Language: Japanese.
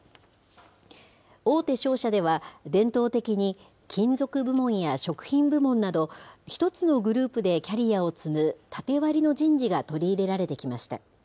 大手商社では、伝統的に金属部門や食品部門など、１つのグループでキャリアを積む縦割りの人事が取り入れられてきました。